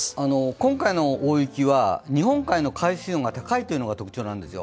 今回の大雪は日本海の海水温が高いというのが特徴なんですよ。